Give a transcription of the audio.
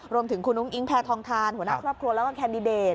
รวมถึงคุณอุ้งอิงแพทองทานหัวหน้าครอบครัวแล้วก็แคนดิเดต